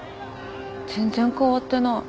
全然変わってない。